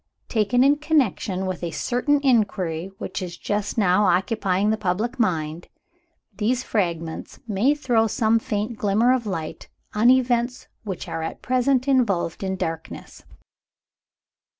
Taken in connection with a certain inquiry which is just now occupying the public mind, these fragments may throw some faint glimmer of light on events which are at present involved in darkness."